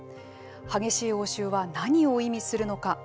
激しい応酬は何を意味するのか。